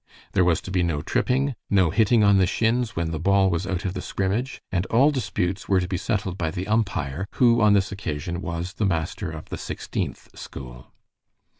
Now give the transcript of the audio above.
There was to be no tripping, no hitting on the shins when the ball was out of the scrimmage, and all disputes were to be settled by the umpire, who on this occasion was the master of the Sixteenth school.